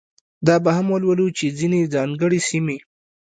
دا به هم ولولو چې ځینې ځانګړې سیمې.